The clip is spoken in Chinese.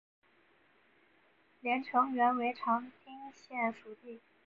连城原为长汀县属地。